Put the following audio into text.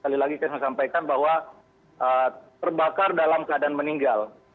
sekali lagi saya mau sampaikan bahwa terbakar dalam keadaan meninggal